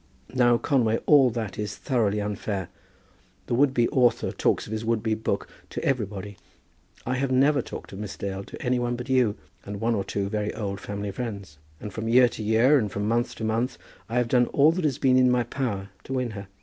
"Now, Conway, all that is thoroughly unfair. The would be author talks of his would be book to everybody. I have never talked of Miss Dale to any one but you, and one or two very old family friends. And from year to year, and from month to month, I have done all that has been in my power to win her.